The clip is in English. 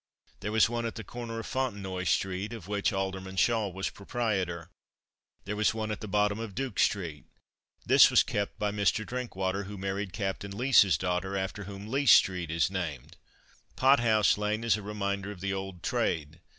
There was one at the corner of Fontenoy street, of which Alderman Shaw was proprietor. There was one at the bottom of Duke street. This was kept by Mr. Drinkwater, who married Captain Leece's daughter, after whom Leece street is named. Pothouse lane is a reminder of the old trade.